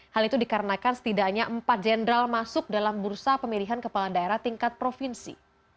hal itu dikarenakan setidaknya empat jenderal masuk dalam bursa pemilihan kepala daerah tingkat provinsi